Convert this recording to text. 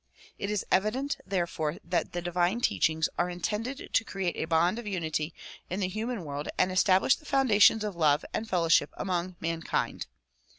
It is evident therefore that the divine teachings are intended to create a bond of unity in the human world and establish the foundations of love and fellowship among mankind.